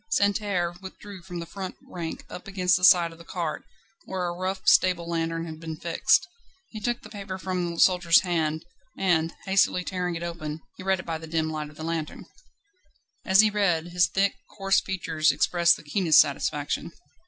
Santerre withdrew from the front rank, up against the side of the cart, where a rough stable lantern had been fixed. He took the paper from the soldier's hand, and, hastily tearing it open, he read it by the dim light of the lantern. As he read, his thick, coarse features expressed the keenest satisfaction.